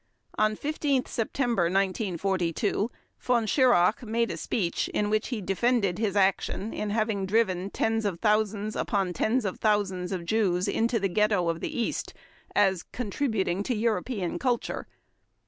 On 15 September 1942 Von Schirach made a speech in which he defended his action in having driven "tens of thousands upon tens of thousands of Jews into the ghetto of the East" as "contributing to European culture".